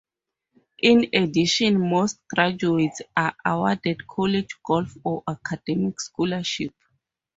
In addition, most graduates are awarded college golf or academic scholarships.